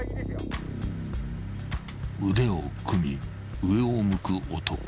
［腕を組み上を向く男］